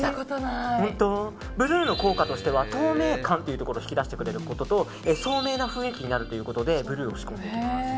ブルーの効果としては透明感を引き出してくれることと聡明な雰囲気になるということでブルーを仕込みます。